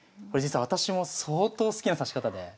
これ実は私も相当好きな指し方で。